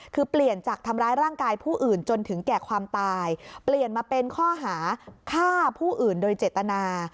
คือเปลี่ยนจากทำร้ายร่างกายผู้อื่นจนถึงแก่ความตายเปลี่ยนมาเป็นข้อหาฆ่าผู้อื่นโดยเจตนา